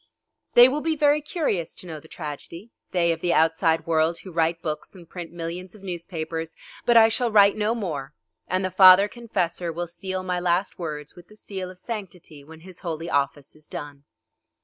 They will be very curious to know the tragedy they of the outside world who write books and print millions of newspapers, but I shall write no more, and the father confessor will seal my last words with the seal of sanctity when his holy office is done.